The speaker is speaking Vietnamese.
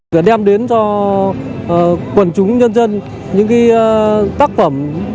đã đem đến cho quần chúng nhân dân những tác phẩm